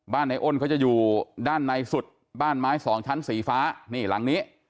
ในอ้นเขาจะอยู่ด้านในสุดบ้านไม้สองชั้นสีฟ้านี่หลังนี้